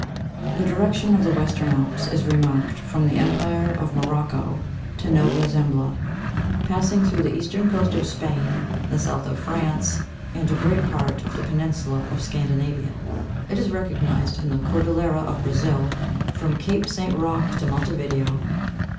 The direction of the Western Alps is remarked from the empire of Mo rocco to Nova Zembla, passing through the eastern coast of Spain, the south of France, and a great part of the peninsula of Scandinavia. It is recognised in the Cordillera of Brazil, from Cape St. Roque to Montevideo.